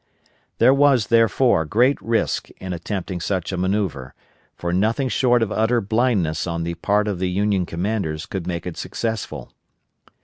There was, therefore, great risk in attempting such a manoeuvre, for nothing short of utter blindness on the part of the Union commanders could make it successful.